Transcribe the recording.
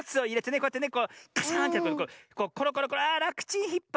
こうやってねこうカシャーンってコロコロコロあらくちんひっぱってねって。